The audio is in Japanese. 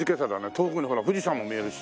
遠くにほら富士山も見えるし。